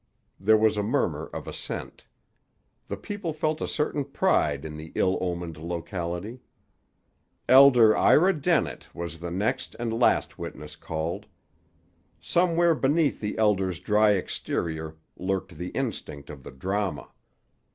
There was a murmur of assent. The people felt a certain pride in the ill omened locality. Elder Ira Dennett was the next and last witness called. Somewhere beneath the Elder's dry exterior lurked the instinct of the drama.